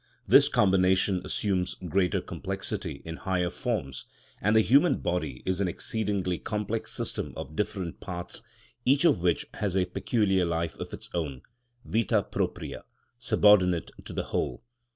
This combination assumes greater complexity in higher forms, and the human body is an exceedingly complex system of different parts, each of which has a peculiar life of its own, vita propria, subordinate to the whole.